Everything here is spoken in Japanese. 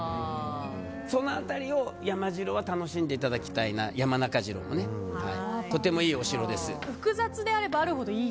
その辺りを楽しんでいただきたい山中城で、とてもいいお城です。